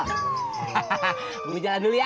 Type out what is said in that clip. hahaha mau jalan dulu ya